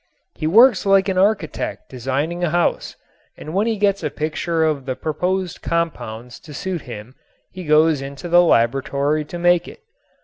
He works like an architect designing a house and when he gets a picture of the proposed compounds to suit him he goes into the laboratory to make it.